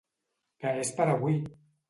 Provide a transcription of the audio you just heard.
Que és per avui!